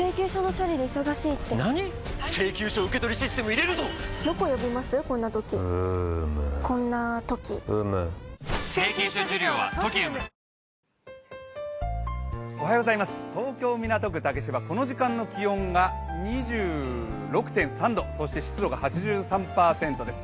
いいじゃないだって東京・港区竹芝、この時間の気温が２６．３度、そして湿度が８３％です。